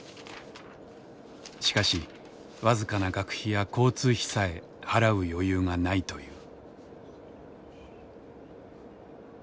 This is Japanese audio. しかし僅かな学費や交通費さえ払う余裕がないという。